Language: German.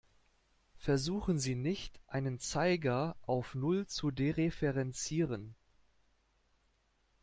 Versuchen Sie nicht, einen Zeiger auf null zu dereferenzieren.